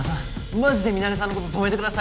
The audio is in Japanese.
マジでミナレさんの事止めてください！